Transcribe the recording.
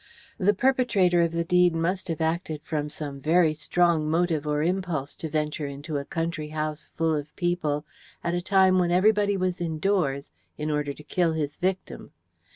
The perpetrator of the deed must have acted from some very strong motive or impulse to venture into a country house full of people, at a time when everybody was indoors, in order to kill his victim.